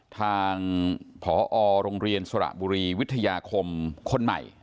ทางผอโรงเรียนสระบุรีวิทยาคมคนใหม่